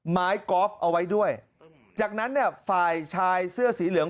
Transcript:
กอล์ฟเอาไว้ด้วยจากนั้นเนี่ยฝ่ายชายเสื้อสีเหลือง